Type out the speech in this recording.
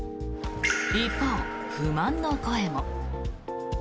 一方、不満の声も。